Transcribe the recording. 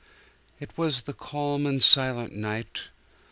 It was the calm and silent night!